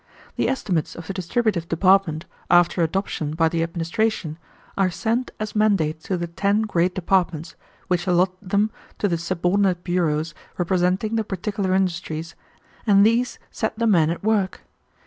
The estimates of the distributive department, after adoption by the administration, are sent as mandates to the ten great departments, which allot them to the subordinate bureaus representing the particular industries, and these set the men at work.